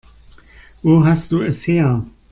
Wo hast du es her?